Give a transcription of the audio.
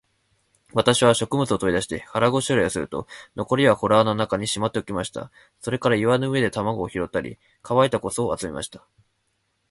私は食物を取り出して、腹ごしらえをすると、残りは洞穴の中にしまっておきました。それから岩の上で卵を拾ったり、乾いた枯草を集めました。